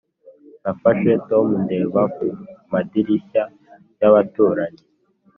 [nafashe tom ndeba mu madirishya y'abaturanyi.